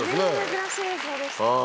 珍しい映像でしたね。